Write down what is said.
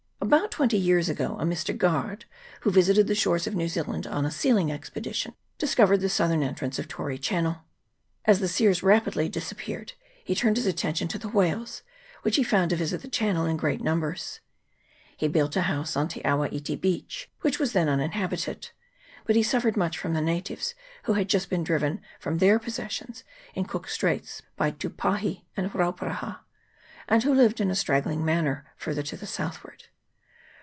About twenty years ago, a Mr. Guard, who visited the shores of New Zealand on a sealing expedition, discovered the southern entrance of Tory Channel. As the seals rapidly disappeared, he turned his attention to the whales, which he found to visit the channel in great numbers. He built a house on Te awa iti beach, which was then uninhabited ; but he suffered much from the natives, who had just been driven from their possessions in Cook's Straits by Tupahi and Rauparaha, and who lived in a straggling manner farther to the south ward.